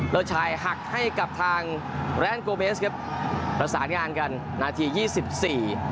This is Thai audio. ลูกชายหักให้กับทางแรนดโกเบสครับประสานงานกันนาทียี่สิบสี่